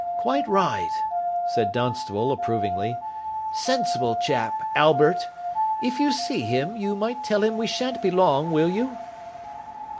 "Quite right," said Dunstable, approvingly. "Sensible chap, Albert. If you see him, you might tell him we shan't be long, will you?"